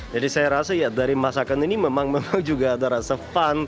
jadi saya rasa ya dari masakan ini memang memang juga ada rasa fun